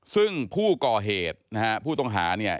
ซึ่งผู้ก่อเหตุนะฮะผู้ต้องหาเนี่ย